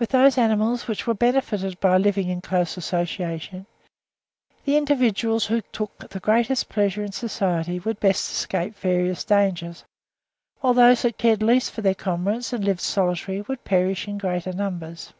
With those animals which were benefited by living in close association, the individuals which took the greatest pleasure in society would best escape various dangers, whilst those that cared least for their comrades, and lived solitary, would perish in greater numbers.